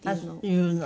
言うの？